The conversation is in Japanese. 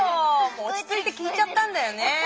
おちついてきいちゃったんだよね。